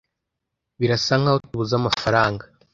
birasa nkaho tubuze amafaranga